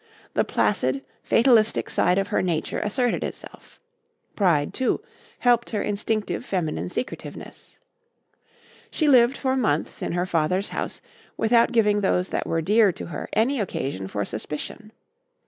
The placid, fatalistic side of her nature asserted itself. Pride, too, helped her instinctive feminine secretiveness. She lived for months in her father's house without giving those that were dear to her any occasion for suspicion.